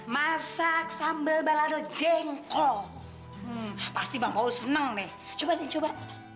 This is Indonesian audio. masak sambal balado jengkol pasti bang paul senang deh coba den coba